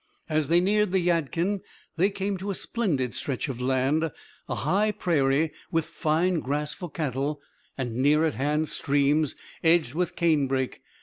As they neared the Yadkin they came to a splendid stretch of land; a high prairie, with fine grass for cattle, and near at hand streams edged with cane brake.